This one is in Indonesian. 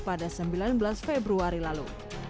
pada sembilan belas februari lalu